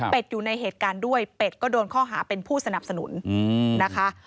เป็นอยู่ในเหตุการณ์ด้วยเป็ดก็โดนข้อหาเป็นผู้สนับสนุนนะคะ